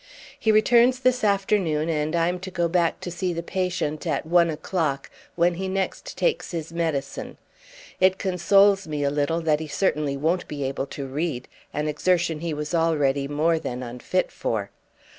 He returns this afternoon, and I'm to go back to see the patient at one o'clock, when he next takes his medicine. It consoles me a little that he certainly won't be able to read—an exertion he was already more than unfit for.